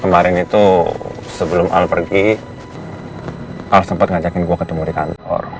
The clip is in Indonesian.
kemarin itu sebelum al pergi al sempat ngajakin gue ketemu di kantor